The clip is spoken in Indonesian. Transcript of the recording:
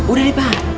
udah deh pak